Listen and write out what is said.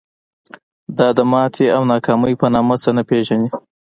دا د ماتې او ناکامۍ په نامه څه نه پېژني.